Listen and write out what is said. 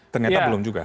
ternyata belum juga